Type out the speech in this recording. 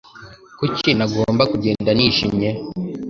kuki nagomba kugenda nijimye